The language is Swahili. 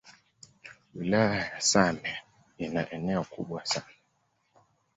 Wilaya ya same ina eneo kubwa sana